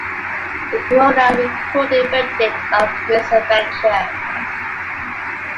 The coroner recorded a verdict of misadventure.